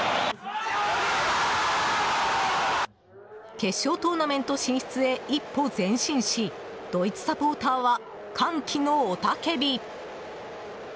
決勝トーナメント進出へ一歩前進しドイツサポーターは歓喜の雄たけび。